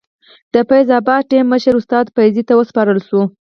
د فیض اباد ټیم مشر استاد فیضي ته وسپارل شوه.